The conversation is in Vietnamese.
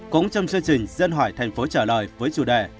cũng trong chương trình dân hỏi tp trả lời với chủ đề